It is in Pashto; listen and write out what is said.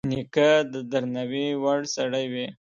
نیکه د درناوي وړ سړی وي.